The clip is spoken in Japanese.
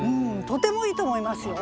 とてもいいと思いますよ。